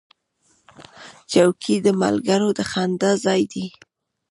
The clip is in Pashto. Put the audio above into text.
چوکۍ د ملګرو د خندا ځای دی.